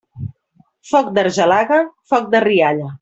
Foc d'argelaga, foc de rialla.